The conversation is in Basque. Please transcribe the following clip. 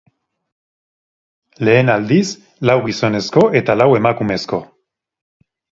Lehen aldiz, lau gizonezko eta lau emakumezko.